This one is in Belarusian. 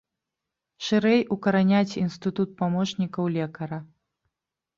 Шырэй укараняць інстытут памочнікаў лекара.